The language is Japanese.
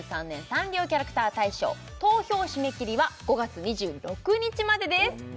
サンリオキャラクター大賞投票締め切りは５月２６日までです